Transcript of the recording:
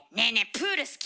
プール好き？